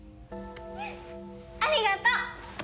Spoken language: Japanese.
ありがとう！